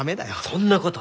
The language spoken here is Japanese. そんなこと！